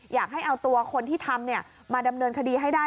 อยากให้เอาตัวคนที่ทำมาดำเนินคดีให้ได้